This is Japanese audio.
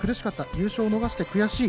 優勝を逃して悔しい。